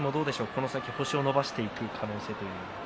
この先星を伸ばしていく可能性は。